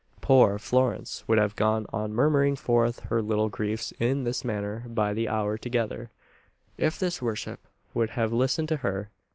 Poor Florence would have gone on murmuring forth her little griefs in this manner by the hour together, if his worship would have listened to her.